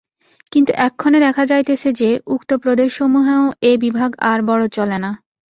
কিন্তু এক্ষণে দেখা যাইতেছে যে, উক্ত প্রদেশসমূহেও এ বিভাগ আর বড় চলে না।